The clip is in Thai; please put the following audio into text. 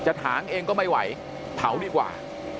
ถางเองก็ไม่ไหวเผาดีกว่า